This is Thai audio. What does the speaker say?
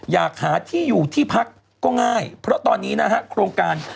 อยากหาที่อยู่ที่พักก็ง่ายเพราะตอนนี้นะฮะโครงการ